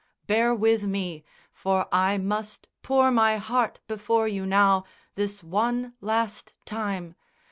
Bear with me, For I must pour my heart before you now This one last time.